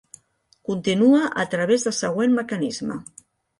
Continua a través del següent mecanisme.